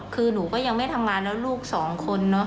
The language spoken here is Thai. คือหนูก็ยังไม่ทำงานแล้วลูก๒คน